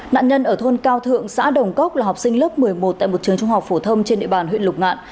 nạn nhân ở thôn cao thượng xã đồng cốc là học sinh lớp một mươi một tại một trường trung học phổ thông trên địa bàn huyện lục ngạn